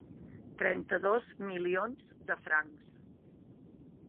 Trenta-dos milions de francs.